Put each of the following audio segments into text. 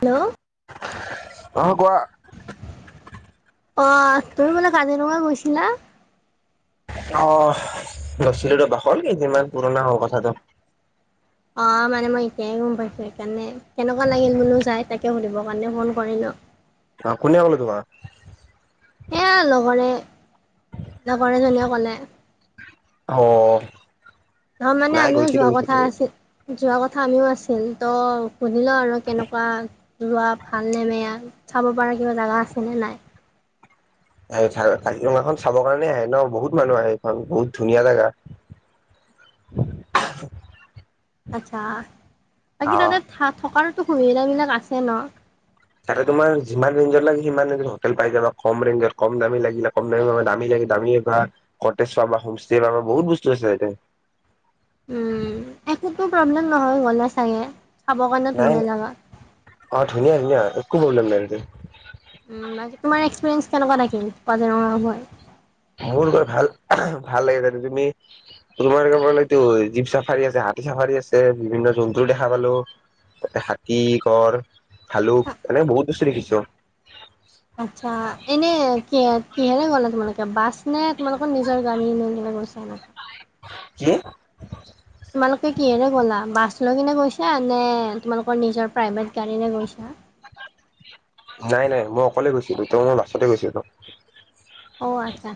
Hello অহ কোৱা। অ' তুমি বোলে কাজিৰঙা গৈছিলা। অহ' গৈছিলো ৰবা হ'ল কেইদিনমান পুৰণা হ'ল কথাটো। অ মানে মই এতিয়াই গম পাইছো সেইকাৰণে কেনেকুৱা লাগিল বোলো যাই তাকে সুধিব কাৰণে ফোন কৰিলো। অ' কোনে ক'লে তোমাক। এয়া লগৰে লগৰ এজনীয়ে ক'লে। অ নহ মানে নাই আমিও গৈছিলো যোৱা কথা গৈছিলো আছিল। যোৱা কথা আমিও আছিল তো শুধি লওঁ আৰু কেনেকুৱা যোৱা ভালনে বেয়া। চাব পৰা কিবা জাগা আছেনে নাই। ভাল কাজিৰঙাখন চাবৰ কাৰণে আহে ন বহুত মানুহ আহে এইখন বহুত ধুনীয়া জেগা। [inaudible] আচছা, অ বাকী তাতে থ থকাৰতো সুবিধা বিলাক আছে ন। তাতে তোমাৰ যিমান ৰেঞ্জৰ লাগে, সিমান ৰেঞ্জৰ হোটেল পাই যাবা, কম ৰেঞ্জৰ, কম দামী লাগিলে, কম দাম দামী লাগ দামী বা কটেজ শৰ্মা হোমষ্টে মান বহুত বস্তু আছে ইয়াতে। উম, একোটা প্ৰব্লেম নহয় গ'লে চাগে। চাবৰ কাৰণে নাই, ধুনীয়া জেগা নাই, ধুনীয়া ধুনীয়া একো প্ৰব্লেম নাই তাতে। উম, বাকী তোমাৰ এক্সপিৰিয়েঞ্চ কেনেকুৱা থাকিল কাজিৰঙা। মোৰ গৈ ভাল ভাল লাগিছে, তুমি [unintelligible] ক এইটো জীপ চাফাৰী আছে। হাতি চাফাৰি আছে, বিভিন্ন জন্তু দেখা পালো। তাতে হাতী, গড়, ভালুক এনেক বহুত বস্তু দেখিছো। আচ্ছা, এনে কিহ কিহেৰে গ'লা, তোমালোকে বাছ নে তোমালোকৰ নিজৰ গাড়ী নে, কিবা। মই চাহ নাখাওঁ। কি তোমালোকে কিহেৰে গ'লা, বাছ লৈ কিনে গৈছা নে তোমালোকৰ নিজৰ প্ৰাইভেট গাড়ীৰে গৈছা? [inaudible] নাই, নাই, মই অকলে গৈছিলো, তো মই বাছতে গৈছিলো। অ' আচ্ছা,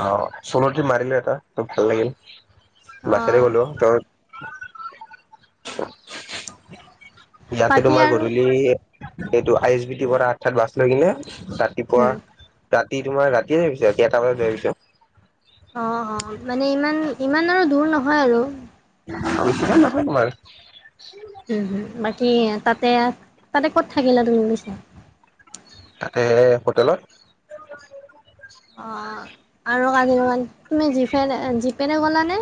অ' চলো ত্ৰিপ মাৰিলো এটা ভাল লাগিল বাছেৰে অ' গলো ত [unintelligible] ইয়াতে বাকী তোমাৰ আৰু গধূলি এইটো আই এছ বি টি পৰা আঠঠাত বাছ লৈ কিনে। ৰাতিপুৱা উম, ৰাতি তোমাৰ ৰাতিয়ে যাই পাইছো ৰাতি এটা বজাত যায় পাইছো। অ' অ' মানে ইমান ইমান আৰু দূৰ নহয়, আৰু। আ‌ [inaudible] তোমাৰ উম, হম, বাকী তাতে তাতে ক'ত থাকিলা তুমি পিছে। তাতে, হোটেলত। অ' আৰু কাজিৰঙা তুমি জিফে, জিপেৰে গ'লা নে?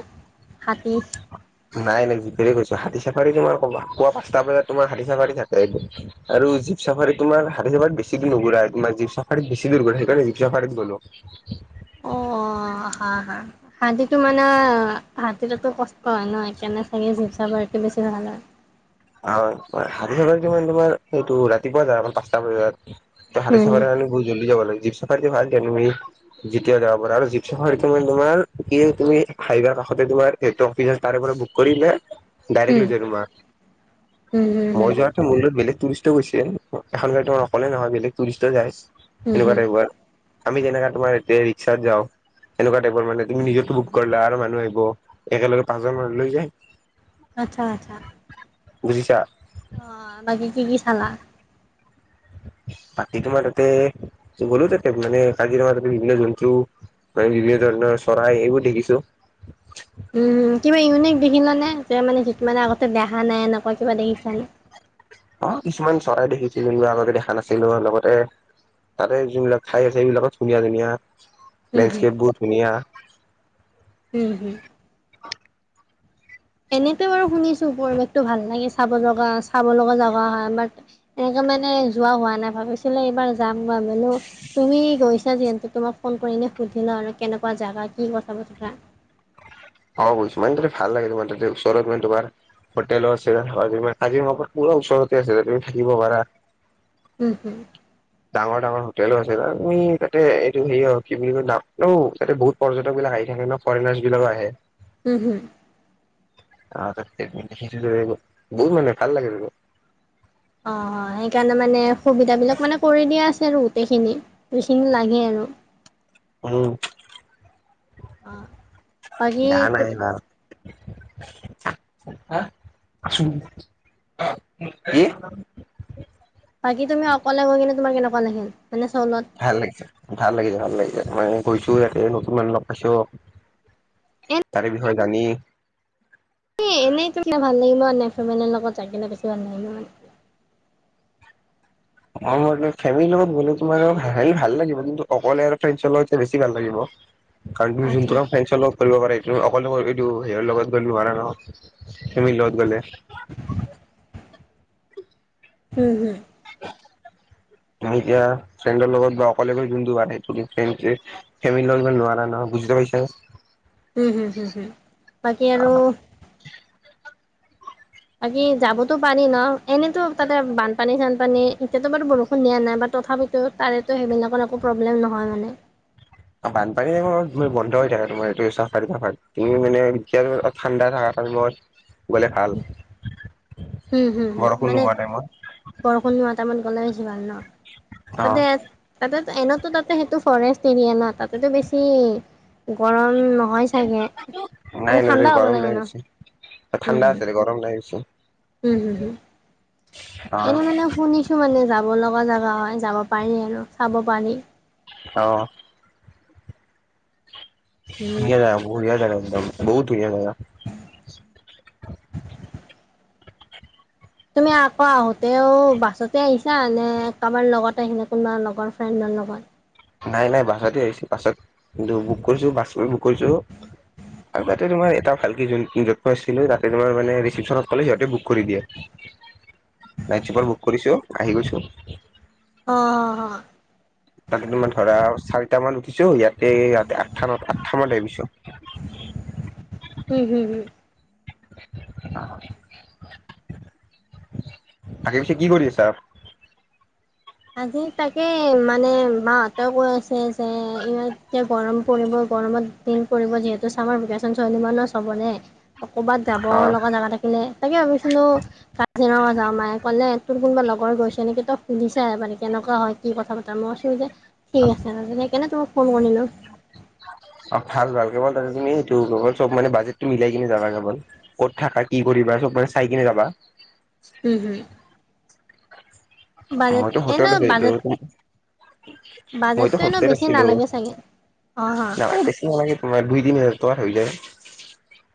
নাই নাই জিপেৰে গৈছোঁ। হাতী চাফাৰী তোমাৰ কৱা পুৱা পচটা বজাত তোমাৰ হাতী চাফাৰী থাকেটো, আৰু জীপ চাফাৰী তোমাৰ হাতি বেছি দূৰ নুঘুৰাই তোমাৰ জীপ চাফাৰত বেছি দূৰা সেইকাৰণে জীপ চাফাৰীত গলোঁ। অ'। অ' হা-হা-হাতীটো মানে হতিটোটো কষ্ট হয় ন' হে কেনে চাগে জীপ চাফাৰী সেইটো বেছি ভাল হয় অ' হাতী চাফাৰীটো মানে তোমাৰ সটো ৰাতিপুৱা যা পাঁচটা বজাত। ত, হাটি উম চাব হ'লে বহুত জল্দি যাব লাগিব, জিপ বাকি ভাল দিয়া তুমি যেতীয়া যাব পাৰা আৰু জীপ চাফাৰিটো মানে তোমাৰ কি তুমি হাইওৱে কাষতে। তোমাৰ এটঅফিয়াৰ তাৰে পৰা বুক কৰিলে ডাইৰেক্ট উম লৈ যায় তোমাৰ উম, হম, হম। বেলেগ টুৰিষ্ট গৈছিল, এখন গাড়ী তোমাৰ অকলে নহয়, বেলেগ টুৰিষ্ট যায় হুম এনেকুৱা হুম টাইপৰ। আমি যেনেকা তোমাৰ এয়াতে ৰিক্সাত যাওঁ। এনেকুৱা টাইপৰ মানে তুমি নিজটো বুক কৰিলা আৰু মানুহ আহিব একেলগে পাঁচজন মানুহ লৈ যায়। আচ্ছা আচ্ছা। বুজিছা? অ', বাকী কি কি চালা? বাকী তোমাৰ তাতে ত' গ'লো তাতে মানে কাজিৰঙা তাতে বিভিন্ন জন্তু। মানে বিভিন্ন ধৰণৰ চৰাই এইবোৰ দেখিছো। উম, কিবা ইউনিক দেখিল নে যে মানে যি মানে আগতে দেহা নাই এনেকুৱা কিবা দেখিছা নে? অ' কিছুমান চৰাই দেখিছিলোঁ ল আগতে দেখা নাছিলো লগতে তাৰে যোনবিলাক খাই আছে সেইবিলাকো ধুনীয়া ধুনীয়া। উম হুম লেডসকেপ বোৰো ধুনিয়। উম এনেকে বাৰু শুনিছো পৰিবেশতটো ভাল লাগে চাব জগা চাব লগা জাগা হয় আমাৰ এনে তা মানে যোৱা হোৱা নাই ভাবিছিলে এইবাৰ যাম ভাবিলো তুমি গৈছা ছা যিহেতু তোমাক ফোন কৰি এনে সুধি লওঁ আৰু কেনেকুৱা জাগা কি কথা বতৰা। অ' বুইছো মানে তাতে ভাল লাগে তোমাৰ তাতে ওচৰত মানে তোমাৰ হোটেলো আছে [unintelligible] থাকিম আকৌ পুৰা ওচৰতে আছিল তুমি থাকিব পাৰা। উম উম। টোৱেলোঁ হৈছিলে তুমি তাতে এইটো হেৰি আ কি বুলি কয় নাতও তাতে বহুত পৰ্যটক বিলাক আহি থাকে ন' ফৰেনৰ জিবিলকো আহে। উম হম। আহ তাক [unintelligible] বহুত মানে ভাল লাগে দে। অ', অ', সেইকাৰণে মানে সুবিধা বিলাক মানে কৰি দিয়া আছে আৰু গোটেইখিনি। যিখিনি লাগে আৰু। উম আহ বেয়া বাকিটো হা আছোঁ [unintelligible] কি? বাকী তুমি অকলে গৈ কিনে তোমাৰ কেনেকুৱা লাগিল? মানে চলত ভাল লাগিছে, ভাল লাগিছে ভাল লাগিছে মে গৈছো ইয়াতে নতুন মানু লগ পাইছোও। তাৰে বিষয়ে জানি। এ এনেইতো কি ভাল লাগিব এনে ফেমেলিৰ লগত যনে বেছি ভাল লাগিব। অ' ম তম ফেমিলিৰ লগত গ'লে তোমাৰ হ ভাল লাগিব কিন্তু অকল এয়ফ্লাইন চল বেছি ভাল লাগিব। উ কাৰণ তুমি জোনটো কাম ফঞ্চ লগত কৰিব পাৰে অকল এইটো সেইয়ৰ লগত গ'লো নোৱাৰে নহয়, ফেমিলি লগত গ'লে। হম হুম। এতিয়া ফ্ৰেণ্ডৰ লগত বা অকলে গৈ যোনটো সেই ফ্ৰ ফেম লগত যমান নোৱাৰা নহয়। বুজি পাইছা। উম' হম, হম, হম, বাকী আৰু। বাকী যাবতো পাৰি ন এনেতো তাতে বানপানী চানপানী। এতিয়াতো বাৰু বৰষুণ দিয়া নাই বাট তথাপিতো তাৰেতো সেইবিলাকৰ একো প্ৰব্লেম নহয় মানে। বানপানী [unintelligible] বন্ধ হৈ থাকে তোমাৰ এই চাফাৰী টাফাৰী তুমি মানে এতিয়া ঠাণ্ডা থাকা। [unintelligible] গ'লে ভাল। হম হু হু, বৰষুণ মানে নোহোৱা টাইমত বৰষুণ নোহা টাইমত গ'লে বেছি ভাল ন'। তাতে তাতে এনেতো তাতে সেইটো ফৰেষ্ট এৰিয়া না তাতেতো বেছি গৰ উম নহয় চাগে। নাই মানে নাই ঠাণ্ডা [unintelligible] হ'ব গৰম লাগে ন লাগিছে, উম ঠাণ্ডা হুম আছে [unintelligible] গৰম নাই বেছি। উম হম হম। এনে মানে শুনিছো মানে যাব লগা জাগা হয় যাব পাৰি আৰু চাব পাৰি। অ'। উম ধুনিয়া জাগা, বঢ়িয়া জাগা। বহুত ধুনীয়া জাগা। তুমি আকৌ আহোতেও বাছতে আহিছা নে কাবাৰ লগত আহিছা কোনোবা লগৰ ফ্ৰেণ্ডৰ লগত? নাই নাই বাছতে আহিছো বাছত [unintelligible] বুক কৰিছো বাছ বুক কৰিছো। আৰু তাতে তোমাৰ এটা ভাল কি যোন য'ত মই আছিলো তাতে তোমাৰ মানে ৰিচিপচনত ক'লে সিহঁতে বুক কৰি দিয়ে। [inaudible] নাইট চুপাৰ বুক কৰিছো আহি গৈছো। অ' অ'। তাতে তোমাৰ ধৰা চাৰিটা মান উঠিছো ইয়াতে ইয়াত আঠটা মানত আঠটা মানত আহি পাইছো। হুম হুম হুম [inaudible] বাকি পিছে কি কৰি আছা? আজি তাকে মানে মাহাঁতে কৈ আছে যে ইয়াতে গৰম পৰিব। গৰমত দিন পৰিব যিহেতু চামাৰ ভেকেশন চলিব ন চবৰে। ক'বাত যাব লগা জাগা থাকিলে তাকে ভাবিছিলো কাজিৰঙা যাম মায়ে ক'লে তোৰ কোনোবা লগ লগৰ গৈছে নেকি তই সুধিছা এবাৰ কেনেকুৱা হয় কি কথা বাৰ্তা মই কৈছোঁ যে ঠিক আছে। সেইকানে তোমাক ফোন কৰিলো। অ' ভাল ভাল কেৱল তাতে তুমি এইটো কেৱল চব মানে বাজেটটো মিলাই কিনে যাবা কেৱল ক'ত থাকা কি কৰিবা চব মানে চাই কিনে যাবা। উম, হুম। বাজেট মইতো হোটেল এনে আছিলো বাজেট মইতো বাজেটটো এনে হোমষ্টেত বেছি আছিলো। নালাগে চাগে অ হা না বেছি নালাগে তোমাৰ দুই তিনি হাজাৰ টকাত হৈ যায়।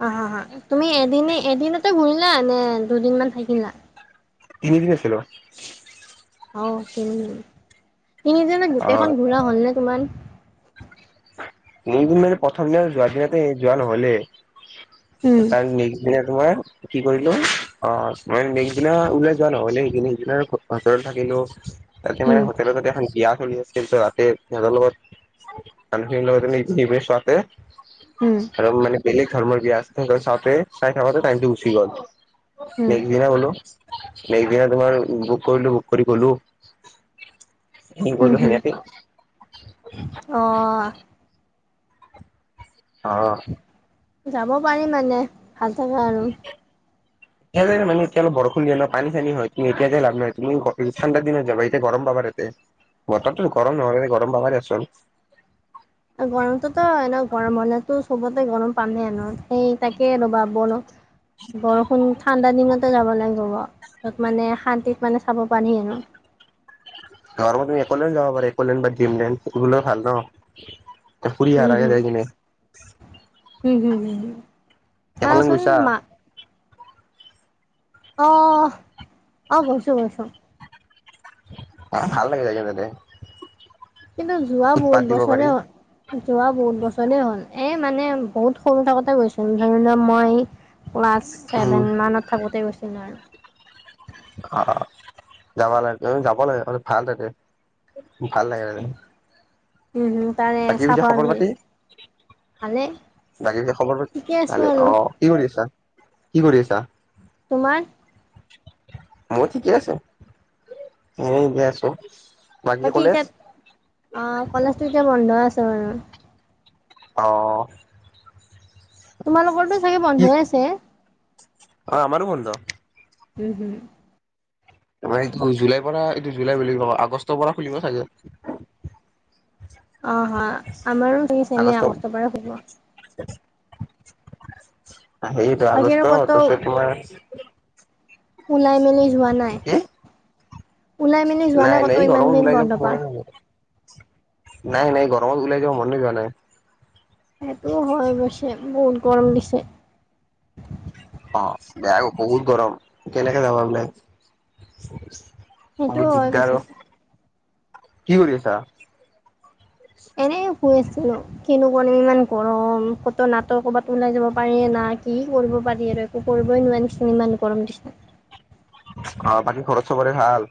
অ' হ, হ, তুমি এদিনে এদিনতে ঘূৰিলা নে দুদিনমান থাকিলা? তিনিদিন আছিলো। অ' তিনিদিন তিনিদিনত অ গোটেইখন ঘূৰা হ'ল নে তোমাৰ? তিনিদিন মানে প্ৰথম দিনা যোৱা‌ দিনাতে যোৱা নহলে। উম তাৰ‌ নেক্স দিনা তোমাৰ কি কৰিলো অ মই নেক্স দিনা ওলাই যোৱা নহলে সিকানে সেইদিনা ওচৰতে থাকি [unintelligible] তাতে মানে উম হোটেলৰ ওচৰতে এখন বিয়া চলি আছিল ত তাতে সিহঁতৰ লগত। মানুহখিনিৰ লগত তামানে [unintelligible] চোৱাতে উম আৰু মানে। বেলেগ ধৰ্মৰ বিয়া আছিল [unintelligible] চাওতে [unintelligible] চাই থাকোতে টাইমটো গুচি গল [unintelligible] উম নেক্স দিনা তোমাৰ বুক কৰিলো বুক কৰি গলো। কি উম কৰিলো হুম সেনেকে অ অ যাব পাৰি মানে ভাল থাকে আৰু। [unintelligible] মানে এতিয়া অলপ বৰষুণ দিয়ে ন' পানী চানী হয়, তুমি এতিয়া যাই লাভ নাই, তুমি ঠাণ্ডাৰ দিনত যাবা এতিয়া গৰম পাবা তাতে। বতৰটো গৰম নহয় গৰম পাবা দেচোন। গৰমটোতো এনে গৰম মানেটো চবতে গৰম পামে এনেও সেই তাকে ৰবা বনো বৰষুণ ঠাণ্ডা দিনত যাব লাগিব, যত মানে শান্তিত মানে চাব পাৰি আৰু। ধৰ তুমি একলেন যাব পাৰে একলেন বা ড্ৰিমলেণ্ড [unintelligible] ভাল ন? তাত ফুৰি উম আৰাগে হুম যাই কিনে। উম হুম হম একলেণ্ড চাবাচোন গৈছা মা অহ অহ গৈছো গৈছো। ভাল লাগে যায় তাতে। কিন্তু যোৱা উৎপাত বহুত দিব পাৰি বছৰে হ'ল যোৱা বহুত বছৰেই হ'ল। এ মানে বহুত সৰু থাকোতে গৈছো ধৰি লোৱা মই ক্লাছ উম ছেভেন মানত থাকোঁতে গৈছিলো আৰু। অহ' যাব লাগে যাব লাগে ভাল তাতে। ভাল লাগে তাতে। উম হম তাৰে বাকী পিছে চাফাৰ খবৰ গ'ল পাতি? ভালে বাকী খবৰ ঠিকে আছো ভালে আৰু অ', কি কৰি আছা? কি কৰি আছা? তোমাৰ? মই ঠিকে আছো, মই এনে আছো। বাকী এতিয়া অ', কলেজটো এতিয়া বন্ধ আছে বাৰু। অ', তোমালোকৰটো চাগে কি বন্ধই আছে? অ', আমাৰো বন্ধ। উম, হুম, তোমাৰ কি জুলাই পৰা এইটো জুলাই বুলি কবা আগষ্টৰ পৰা খুলিব চাগে? অ', হয়, আমাৰো চেমে আগষ্ট আগষ্টৰ পৰাই খুলিব। সেইটো আগষ্ট তাৰ বাকী আৰু ক'তো পিছত তোমাৰ ওলাই মেলি যোৱা নাই? কি ওলাই মেলি যোৱা নাই ক'তো ইমান গৰমত দিন ওলাই যাব বন্ধ পোৱা? মনে নাযায় নাই নাই গৰমত ওলাই যাব মনে যোৱা নাই। সেইটো হয় অৱশ্যে বহুত গৰম দিছে। অ', বেয়া বহুত গৰম কেনেকে যাবা ওলাই? সেইটো বহুত হয় দিগদাৰ পিছে। অ কি কৰি আছা? এনে শুই আছিলোঁ, কিনো কৰিম ইমান গৰম ক'তো নাট কৰ'বাত ওলাই যাব পাৰিয়ে না। কি কৰিব পাৰি আৰু একো কৰিবই [unintelligible] ইমান গৰম দিছে। অ', বাকী ঘৰত চবৰে ভাল?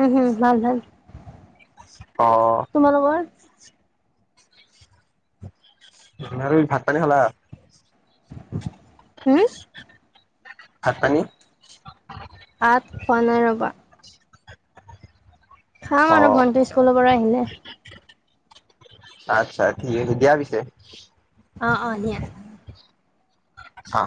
উম, হুম ভাল ভাল। অ', তোমালোকৰ আৰু কি ভাত পানী খালা? হুম? ভাত পানী ভাত খোৱা নাই ৰবা। খাম অ আৰু ভন্টি স্কুলৰ পৰা আহিলে। আচ্ছা ঠিক আছে দিয়া পিছে। অ', অ', দিয়া। হা।